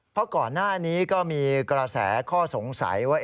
เพราะก่อนหน้านี้ก็มีกระแสข้อสงสัยว่า